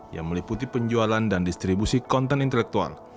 yang meliputi penjualan dan distribusi konten intelektual